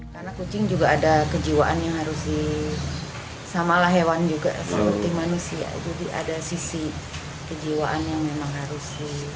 karena kucing juga ada kejiwaan yang harus di samalah hewan juga seperti manusia jadi ada sisi kejiwaan yang memang harus di